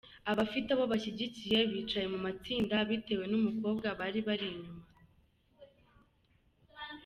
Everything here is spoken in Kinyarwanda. Abafite abo bashyigikiye bicaye mu matsinda bitewe n'umukobwa bari bari inyuma.